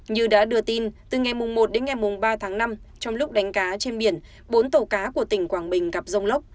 như đã đưa tin từ ngày một đến ngày ba tháng năm trong lúc đánh cá trên biển bốn tàu cá của tỉnh quảng bình gặp rông lốc